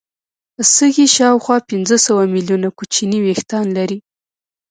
سږي شاوخوا پنځه سوه ملیونه کوچني وېښتان لري.